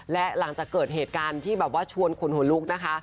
และหลังจากเกิดเหตุการณ์ที่แบบว่าชวนขนหัวลุกนะคะ